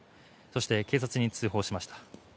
そして、警察に通報しました。